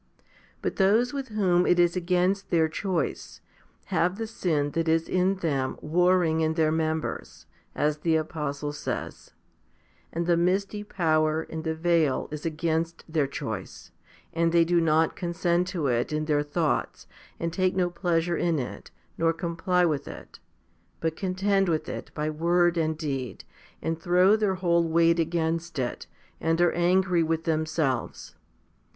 But those with whom it is against their choice, have the sin that is in them warring in their members, as the apostle says 1 ; and the misty power and the veil is against their choice, and they do not consent to it in their thoughts, and take no pleasure in it, nor comply with it, but contend with it by word and deed, and throw their whole weight against it, and are angry with themselves.